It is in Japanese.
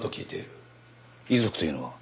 遺族というのは？